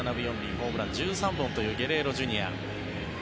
ホームラン１３本というゲレーロＪｒ．。